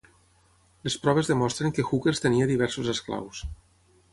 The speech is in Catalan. Les proves demostren que Hookers tenia diversos esclaus.